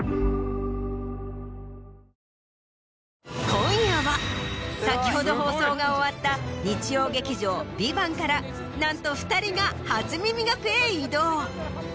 今夜は先ほど放送が終わった日曜劇場『ＶＩＶＡＮＴ』からなんと２人が『初耳学』へ移動。